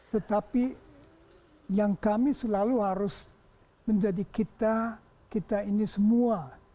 tetapi yang kami selalu harus menjadi kita kita ini semua